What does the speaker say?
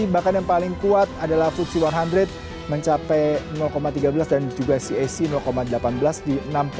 bahkan yang paling kuat adalah fuji seratus mencapai tiga belas dan juga cac delapan belas di enam empat ratus tiga puluh enam